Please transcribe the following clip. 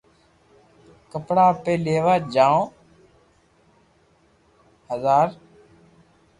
ڪپڙا اپي ليوا جايو بزار